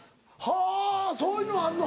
はぁそういうのがあんの。